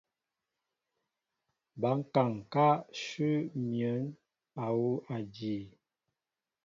Ba kaŋ ká nshu miǝn awuŭ àjii.